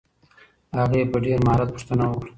هغې په ډېر مهارت پوښتنه وکړه.